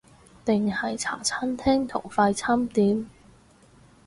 定係茶餐廳同快餐店？